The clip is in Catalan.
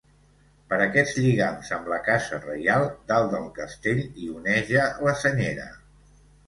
Per aquests lligams amb la casa reial, dalt del castell hi oneja la senyera.